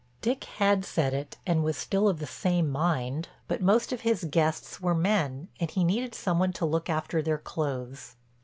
Dick had said it and was still of the same mind, but most of his guests were men and he needed some one to look after their clothes.